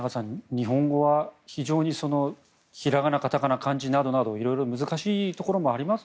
日本語は非常に平仮名、片仮名漢字などなど色々難しいところもあります